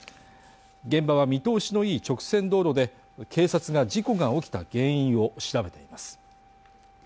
現場は見通しの良い直線道路で、警察が事故が起きた原因を調べています。